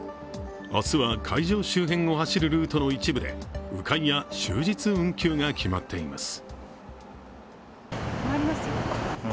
明日は会場周辺を走るルートの一部でう回や、終日運休が決まっています。